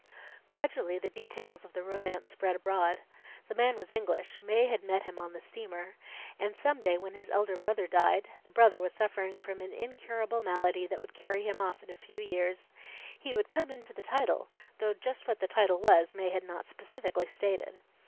Gradually, the details of the romance spread abroad. The man was English Mae had met him on the steamer and some day when his elder brother died (the brother was suffering from an incurable malady that would carry him off in a few years) he would come into the title; though just what the title was, Mae had not specifically stated.